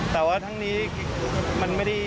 แต่ว่าทั้งนี้มันไม่ได้